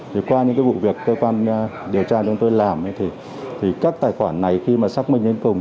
thì qua những cái vụ việc cơ quan điều tra chúng tôi làm thì các tài khoản này khi mà xác minh đến cùng